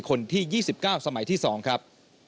คนที่ยี่สิบเก้าสมัยที่สองครับ